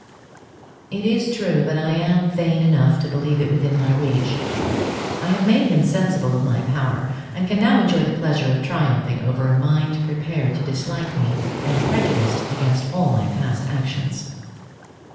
It is true that I am vain enough to believe it within my reach. I have made him sensible of my power, and can now enjoy the pleasure of triumphing over a mind prepared to dislike me, and prejudiced against all my past actions.